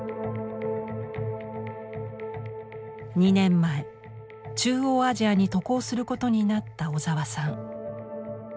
２年前中央アジアに渡航することになった小沢さん。